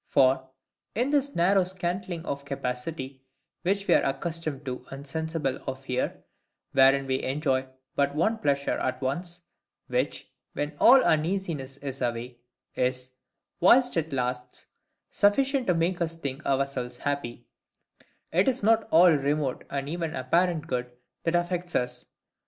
For, in this narrow scantling of capacity which we are accustomed to and sensible of here, wherein we enjoy but one pleasure at once, which, when all uneasiness is away, is, whilst it lasts, sufficient to make us think ourselves happy, it is not all remote and even apparent good that affects us.